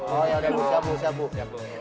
oh yaudah bu siap bu